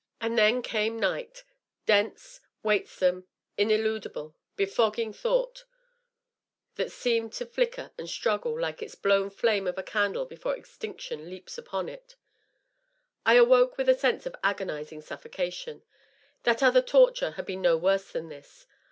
And then came night, dense, weightsome, includible, befogging thought, that seemed to flicker and struggle like the blown flame of a candle before extinction leaps on it. .. I awoke with a sense of agonizing suffocation. That other toiiure had been no worse than this.